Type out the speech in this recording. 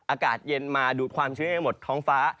อากาศเย็นมาดูดความชื้นให้หมดท้องฟ้า